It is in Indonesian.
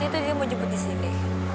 itu dia mau jemput disini